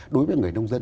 đối với người nông dân